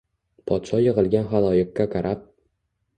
Podsho yig‘ilgan xaloyiqqa qarab